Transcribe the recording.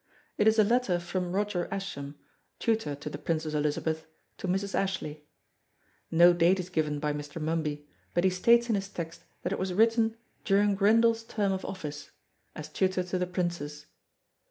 It is a letter from Roger Ascham, tutor to the Princess Elizabeth, to Mrs. Ashley. No date is given by Mr. Mumby, but he states in his text that it was written "during Grindal's term of office" as tutor to the Princess.